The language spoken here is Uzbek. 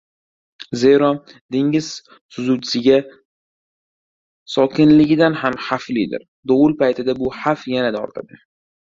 zero, dengiz suzuvchiga sokinligidan ham xavflidir, dovul paytida bu xavf yanada ortadi!